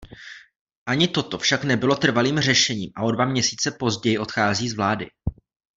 Ani toto však nebylo trvalým řešením a o dva měsíce později odchází z vlády.